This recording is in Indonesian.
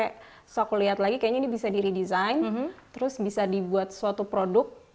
terus aku lihat lagi kayaknya ini bisa di redesign terus bisa dibuat suatu produk